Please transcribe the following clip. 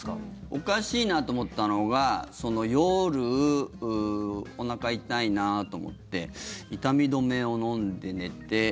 おかしいなと思ったのが夜、おなか痛いなと思って痛み止めを飲んで、寝て。